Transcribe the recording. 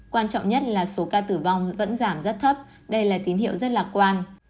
quan trọng nhất là số ca tử vong vẫn giảm rất thấp đây là tín hiệu rất lạc quan